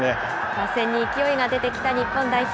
打線に勢いが出てきた日本代表。